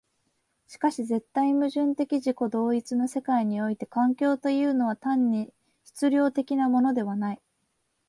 しかし絶対矛盾的自己同一の世界において環境というのは単に質料的なものではない。